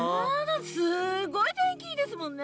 すごいてんきいいですもんね。